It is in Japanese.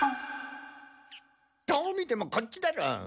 どう見てもこっちだろ！